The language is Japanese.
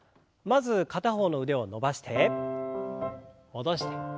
まず片方の腕を伸ばして戻して。